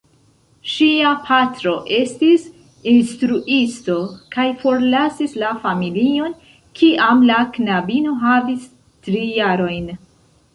Ŝia patro estis instruisto, kaj forlasis la familion, kiam la knabino havis tri jarojn.